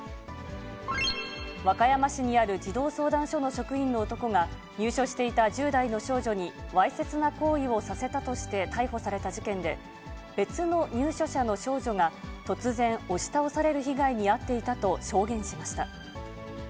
和歌山市にある児童相談所の職員の男が入所していた１０代の少女にわいせつな行為をさせたとして逮捕された事件で、別の入所者の少女が、突然押し倒される被害に遭っていたと証言しました。